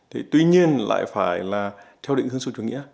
thì tuy nhiên lại phải là theo định hướng sâu chủ nghĩa